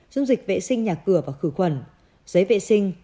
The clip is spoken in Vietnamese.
dung dịch vệ sinh nhà cửa và khử khuẩn giấy vệ sinh